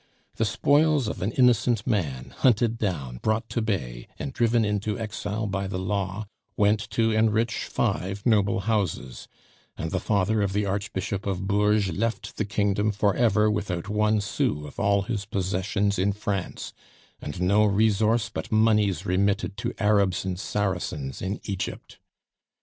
The spoils of an innocent man, hunted down, brought to bay, and driven into exile by the Law, went to enrich five noble houses; and the father of the Archbishop of Bourges left the kingdom for ever without one sou of all his possessions in France, and no resource but moneys remitted to Arabs and Saracens in Egypt.